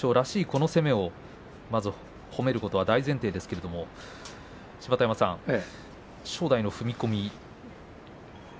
この攻めをまず褒めることは大前提ですけれど、芝田山さん正代の踏み込み。